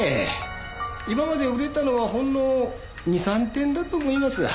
今まで売れたのはほんの２３点だと思いますが。